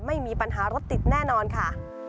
ไม่มีปัญหารถติดแน่นอนค่ะ